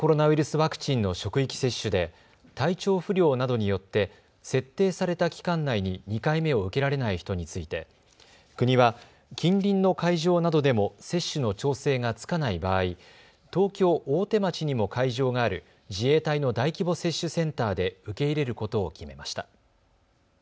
ワクチンの職域接種で体調不良などによって設定された期間内に２回目を受けられない人について国は近隣の会場などでも接種の調整がつかない場合、東京大手町にも会場がある自衛隊の大規模接種センターで受け入れることを決めました。